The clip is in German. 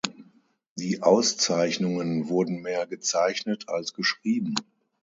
Die Auszeichnungen wurden mehr gezeichnet als geschrieben.